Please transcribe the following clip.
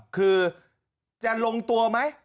คือจะลงตัวไหม